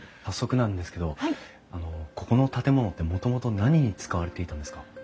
早速なんですけどここの建物ってもともと何に使われていたんですか？